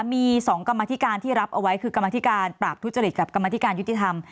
มี๒กรรมธิการที่รับเอาไว้คือกรรมธิการปราบทุจริตกับกรรมธิการยุติธรรม